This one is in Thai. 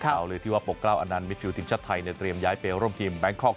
เอาเลยที่ว่าปกเก้าอนันท์มีผิวทีมชาติไทยในเตรียมย้ายไปร่วมทีมแบงค์คอค